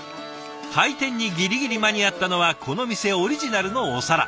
開店にギリギリ間に合ったのはこの店オリジナルのお皿。